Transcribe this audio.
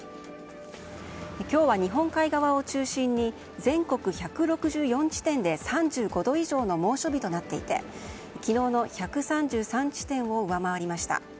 今日は日本海側を中心に全国１６４地点で３５度以上の猛暑日となっていて昨日の１３３地点を上回りました。